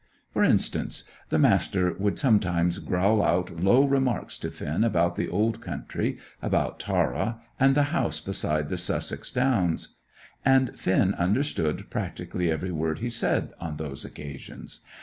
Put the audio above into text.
For instance, the Master would sometimes growl out low remarks to Finn about the Old Country, about Tara, and the house beside the Sussex Downs; and Finn understood practically every word he said on those occasions.